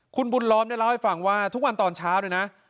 คุณบุญล้อมเนี่ยเล่าให้ฟังว่าทุกวันตอนเช้าเนี่ยนะ